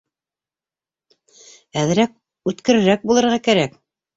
Әҙерәк үткерерәк булырға кәрәк.